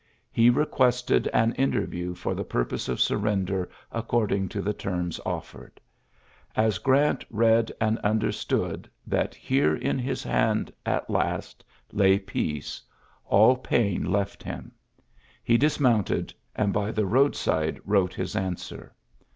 He requested an interview for the purpose of surrender according to the terms oflfered. As Grant read and understood that here in his hand at last lay peacCy all pain left him. He dis mounted, and by the roadside wrote his answer.